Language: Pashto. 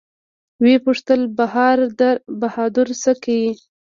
ويې پوښتل بهادره سه کې.